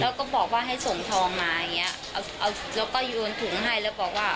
แล้วก็บอกว่าให้ส่งทองมาอย่างเงี้ยเอาแล้วก็โยนถุงให้แล้วบอกว่า